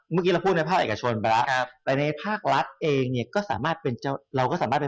เมื่อกี้เราพูดในภาคเอกชนไปแล้วแต่ในภาครัฐเองเราก็สามารถเป็นเจ้าหนี้ภาครัฐได้ใช่ไหม